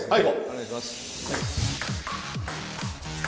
お願いします。